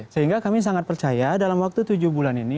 sehingga kami sangat percaya dalam waktu tujuh bulan ini